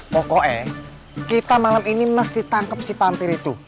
pokoknya kita malam ini mesti tangkep si vampir itu